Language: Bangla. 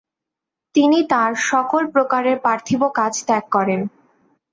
তিনি তার সকল প্রকারের পার্থিব কাজ ত্যাগ করেন।